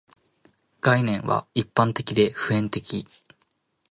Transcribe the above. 概念は一般的で普遍的